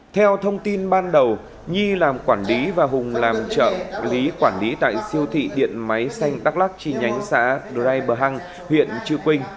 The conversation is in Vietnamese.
theo thông tin ban đầu nhi làm quản lý và hùng làm trợ lý quản lý tại siêu thị điện máy xanh đắk lắc chi nhánh xãi bờ hang huyện chư quynh